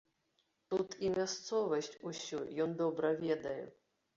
Тут і мясцовасць усю ён добра ведае.